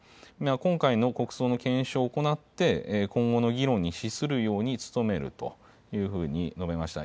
今回の国葬の検証を行って、今後の議論に資するように努めるというふうに述べました。